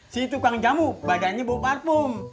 si tukang jamu badannya bau parfum